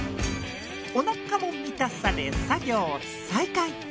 おなかも満たされ作業再開！と。